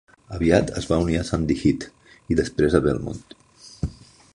Aviat es va unir a Sandy Heath i després a Belmont.